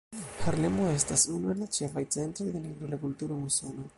Harlemo estas unu el la ĉefaj centroj de nigrula kulturo en Usono.